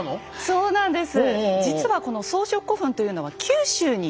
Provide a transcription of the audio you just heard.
そうなんです。